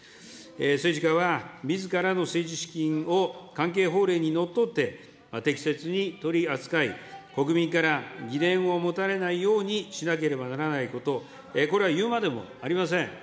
政治家はみずからの政治資金を関係法令にのっとって、適切に取り扱い、国民から疑念を持たれないようにしなければならないこと、これは言うまでもありません。